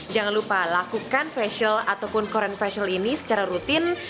jangan lupa lakukan facial ataupun korean facial ini secara rutin